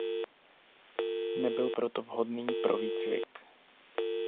Nebyl proto vhodný pro výcvik.